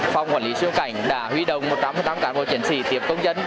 phòng quản lý xuất nhập cảnh đã huy động một trăm tám mươi cán bộ chiến sĩ tiếp công dân